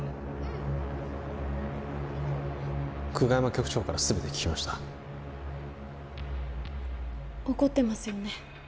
久我山局長から全て聞きました怒ってますよね？